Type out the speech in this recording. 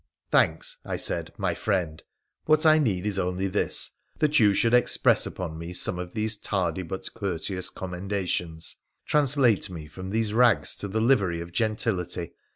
' Thanks,' I said, 'my friend. What I need is only this — that you should express upon me some of these tardy but courteous commendations. Translate me from these rags to the livery of gentility.